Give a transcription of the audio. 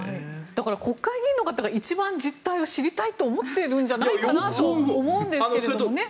だから、国会議員の方が一番実態を知りたいと思っているんじゃないかと思うんですけどね。